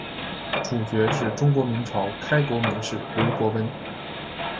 主角是中国明朝开国名士刘伯温。